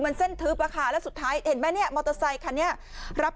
มันเส้นทึบอะค่ะแล้วสุดท้ายเห็นไหมเนี่ยมอเตอร์ไซคันนี้รับ